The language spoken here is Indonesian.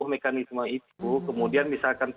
mekanisme itu kemudian misalkan